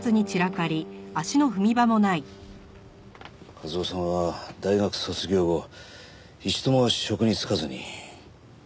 一雄さんは大学卒業後一度も職に就かずに。